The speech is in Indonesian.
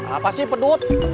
apa sih pedut